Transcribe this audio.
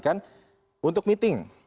dan juga untuk meeting